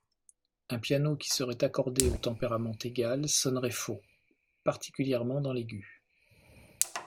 Un piano qui serait accordé au tempérament égal sonnerait faux, particulièrement dans l'aigu.